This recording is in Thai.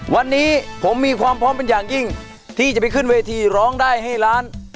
วันนี้ผมมีความพร้อมเป็นอย่างยิ่งที่จะไปขึ้นเวทีร้องได้ให้ล้าน